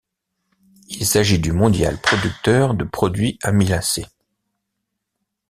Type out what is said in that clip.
Il s'agit du mondial producteur de produits amylacés.